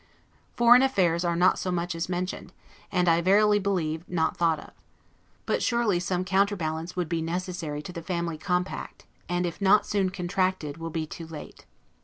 Foreign affairs are not so much as mentioned, and, I verily believe, not thought of. But surely some counterbalance would be necessary to the Family compact; and, if not soon contracted, will be too late.